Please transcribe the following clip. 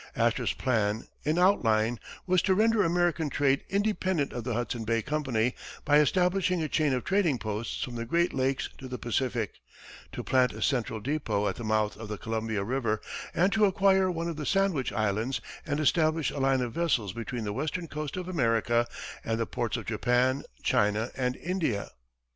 Astor's plan, in outline, was to render American trade independent of the Hudson Bay Company by establishing a chain of trading posts from the great lakes to the Pacific, to plant a central depot at the mouth of the Columbia river, and to acquire one of the Sandwich Islands and establish a line of vessels between the western coast of America and the ports of Japan, China and India.